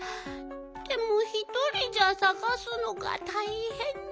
でもひとりじゃさがすのがたいへんで。